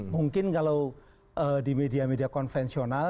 mungkin kalau di media media konvensional